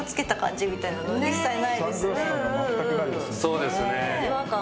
そうですね。